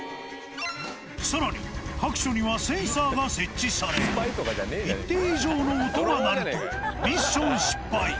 さらに、各所にはセンサーが設置され、一定以上の音が鳴るとミッション失敗。